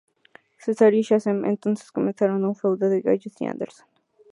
Cesaro y Sheamus entonces comenzaron un feudo con Gallows y Anderson.